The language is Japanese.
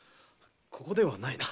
ここではないな。